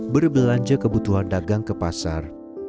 berbelanja kebutuhan dagang ke pasar